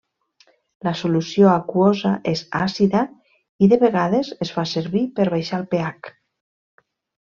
La solució aquosa és àcida i de vegades es fa servir per baixar el pH.